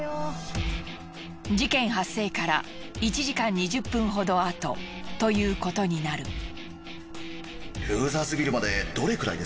事件発生から１時間２０分ほどあとということになる。